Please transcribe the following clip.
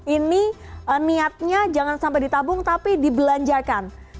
ini niatnya jangan sampai ditabung tapi dibelanjakan